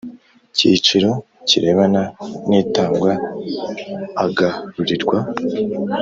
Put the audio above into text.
Cyiciro kirebana n itangwa agarurirwa